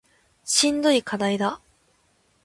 しんどい課題だ